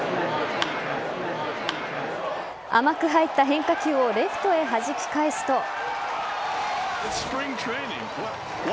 甘く入った変化球をレフトへはじき返すと。